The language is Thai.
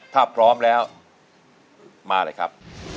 ถ้าพร้อมแล้วมาเลยครับ